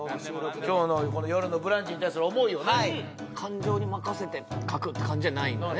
今日のこの「よるのブランチ」に対する思いをな感情に任せて書くって感じじゃないのね